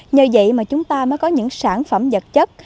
nhờ vậy mà chúng ta mới có những sản phẩm vật chất